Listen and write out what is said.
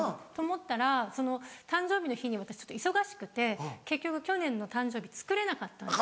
と思ったら誕生日の日に私ちょっと忙しくて結局去年の誕生日作れなかった。